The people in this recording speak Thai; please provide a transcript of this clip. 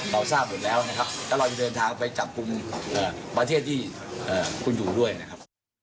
เราทราบหมดแล้วนะครับแล้วเราจะเดินทางไปจับกลุ่มประเทศที่คุณอยู่ด้วยนะครับ